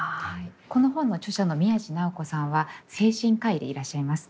この本の著者の宮地尚子さんは精神科医でいらっしゃいます。